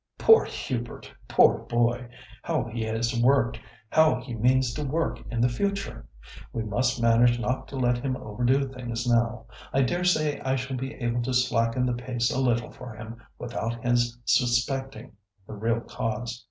"Poor Hubert! poor boy! How he has worked; how he means to work in the future! We must manage not to let him overdo things now. I daresay I shall be able to slacken the pace a little for him without his suspecting the real cause."